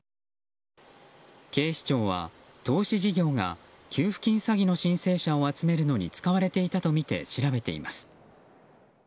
警視庁は、投資事業が給付金詐欺の申請者を集めるため使われていたとみて調べています。